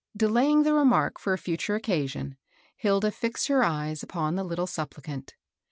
Delaying the remark for a fiiture occasion, Hilda fixed her eyes upon the little suppUcant.